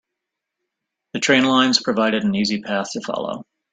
The train lines provided an easy path to follow.